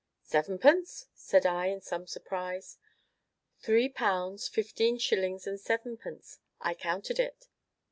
"Sevenpence?" said I, in some surprise. "Three pounds, fifteen shillings, and sevenpence. I counted it."